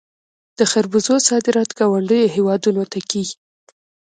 د خربوزو صادرات ګاونډیو هیوادونو ته کیږي.